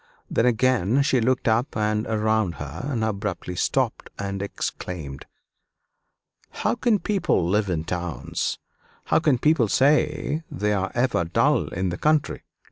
Then again she looked up and around her, and abruptly stopped and exclaimed: "How can people live in towns how can people say they are ever dull in the country?